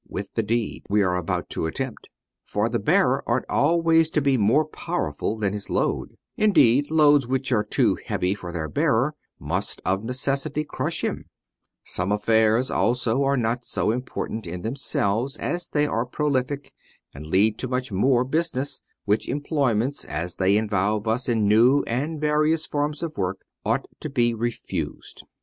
265 with the deed we are about to attempt: for the bearer ought always to be more powerful than his load : indeed, loads which are too heavy for their bearer must of necessity crush him : some affairs also are not so important in them selves as they are prolific and lead to much more business, which employments, as they involve us in new and various forms of work, ought to be refused.